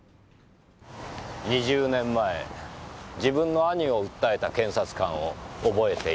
２０年前自分の兄を訴えた検察官を覚えていない。